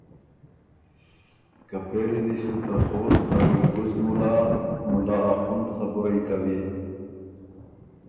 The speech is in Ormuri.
که پېری دی سُو ته خوست ا ګُربز مُلا ”مُلا اخوند“ خبُرئ کوی